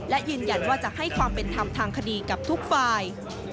และยืนยันว่าจะให้ความเป็นธรรมทางคดีกับทุกฝ่าย